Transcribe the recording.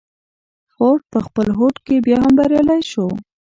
فورډ په خپل هوډ کې بيا هم بريالی شو.